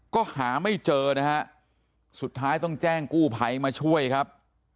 ก็หาไม่เจอนะฮะสุดท้ายต้องแจ้งกู้ภัยมาช่วยครับ